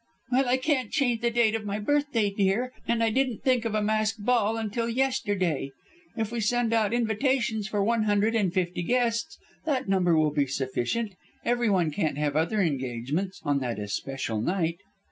"Well, I can't change the date of my birthday, dear, and I didn't think of a masked ball until yesterday. If we send out invitations for one hundred and fifty guests, that number will be sufficient. Everyone can't have other engagements on that especial night."